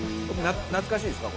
懐かしいですか？